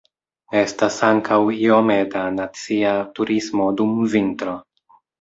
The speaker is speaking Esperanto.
Estas ankaŭ iome da nacia turismo dum vintro.